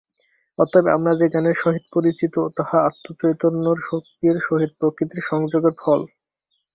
অতএব আমরা যে জ্ঞানের সহিত পরিচিত, তাহা আত্মচৈতন্যের শক্তির সহিত প্রকৃতির সংযোগের ফল।